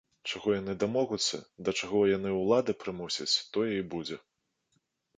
Чаго яны дамогуцца, да чаго яны ўлады прымусяць, тое і будзе.